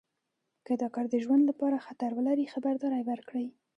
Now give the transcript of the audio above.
که دا کار د ژوند لپاره خطر ولري خبرداری ورکړئ.